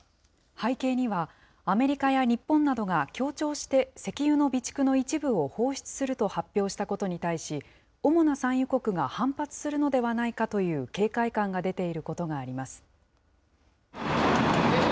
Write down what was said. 背景には、アメリカや日本などが協調して石油の備蓄の一部を放出すると発表したことに対し、主な産油国が反発するのではないかという警戒感が出ていることがあります。